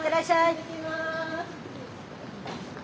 行ってきます。